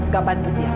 gak bantu dia